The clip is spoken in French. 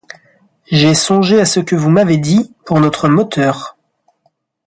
J'ai songé à ce que vous m'avez dit, pour notre moteur.